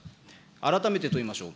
改めて問いましょう。